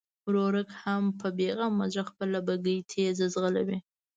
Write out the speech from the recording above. ورورک هم په بېغمه زړه خپله بګۍ تېزه ځغلوي.